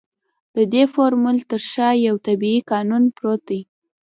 د دې فورمول تر شا يو طبيعي قانون پروت دی.